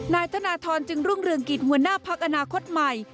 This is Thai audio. นายธนทรจึงรุ่งเรืองกิจหัวหน้าพักอนาคตใหม่